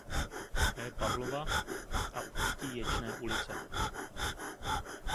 P. Pavlova a ústí Ječné ulice.